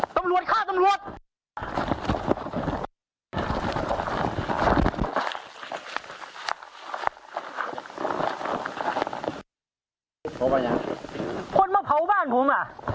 ตำรวจฆ่าตำรวจ